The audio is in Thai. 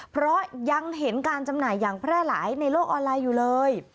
เพราะยังเห็นการจำหน่ายอย่างแพร่หลายในโลกออนไลน์อยู่เลย